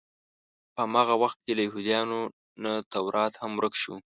په هماغه وخت کې له یهودانو نه تورات هم ورک شو.